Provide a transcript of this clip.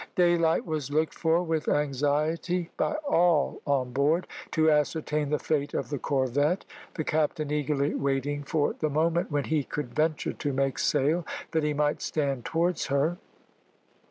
Daylight was looked for with anxiety by all on board, to ascertain the fate of the corvette, the captain eagerly waiting for the moment when he could venture to make sail, that he might stand towards her.